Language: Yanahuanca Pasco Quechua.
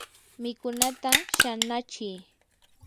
mikunata shanachi.